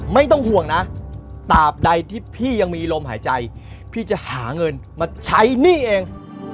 ไม่ต้องห่วงนะตามใดที่พี่ยังมีลมหายใจพี่จะหาเงินมาใช้หนี้เอง